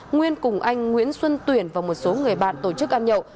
nguyên cùng anh nguyễn xuân tuyển và một số người bạn tổ chức ăn nhậu